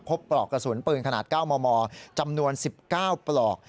ปลอกกระสุนปืนขนาด๙มมจำนวน๑๙ปลอก